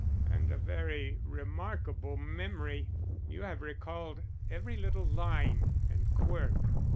"And a very remarkable memory. You have recalled every little line and quirk."